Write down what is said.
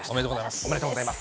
おめでとうございます。